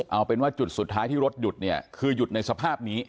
เอาเป็นว่าจุดสุดท้ายที่รถหยุดเนี่ยคือหยุดในสภาพนี้